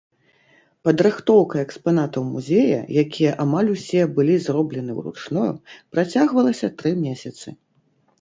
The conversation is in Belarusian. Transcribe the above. Падрыхтоўка экспанатаў музея, якія амаль усе былі зроблены ўручную, працягвалася тры месяцы.